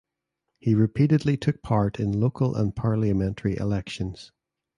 He repeatedly took part in local and parliamentary elections.